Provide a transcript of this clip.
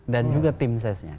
dan juga tim sesnya